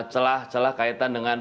celah celah kaitan dengan